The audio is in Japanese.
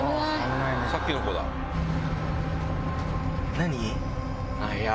何？